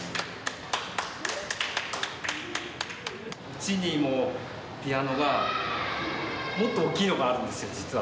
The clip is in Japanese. うちにもピアノがもっと大きいのがあるんですよ実は。